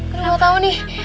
kenapa tau nih